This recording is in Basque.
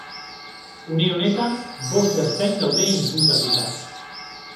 Une honetan, bost ertzain daude inputatuta.